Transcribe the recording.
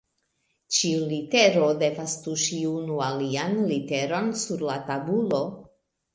Ĉiu litero devas tuŝi unu alian literon sur la tabulo.